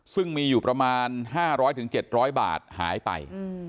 ซึ่งมีอยู่ประมาณห้าร้อยถึงเจ็ดร้อยบาทหายไป